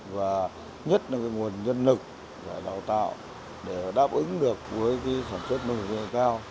và nhất là cái nguồn nhân lực và đào tạo để đáp ứng được với cái sản xuất nông nghiệp cao